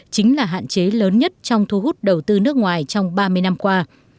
chính là hạn chế lớn nhất trong thu hút đầu tư nước ngoài trong ba mươi năm qua